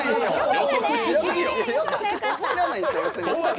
予測しすぎよ。